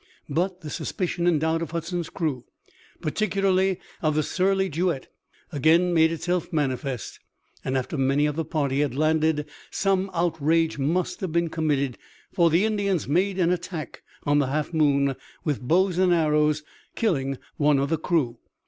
But the suspicion and doubt of Hudson's crew, particularly of the surly Juet, again made itself manifest, and after many of the party had landed some outrage must have been committed, for the Indians made an attack on the Half Moon with bows and arrows, killing one of the crew.